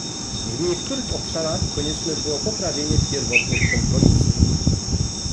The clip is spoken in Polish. W niektórych obszarach konieczne było poprawienie pierwotnych kompromisów